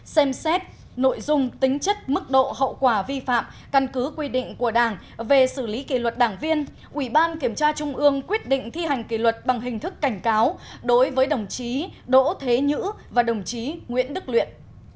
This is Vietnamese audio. xem xét nội dung tính chất mức độ hậu quả vi phạm căn cứ quy định của đảng về xử lý kỷ luật đảng viên ủy ban kiểm tra trung ương quyết định thi hành kỷ luật bằng hình thức cảnh cáo đối với đồng chí đỗ thế nhữ và đồng chí nguyễn đức luyện